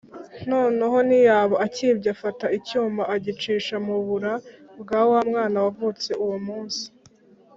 Noneho ntiyaba akibye, afata icyuma, agicisha mu bura bwa wa mwana wavutse uwo munsi.